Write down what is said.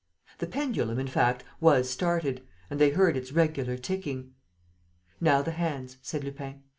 The pendulum, in fact, was started; and they heard its regular ticking. "Now the hands," said Lupin.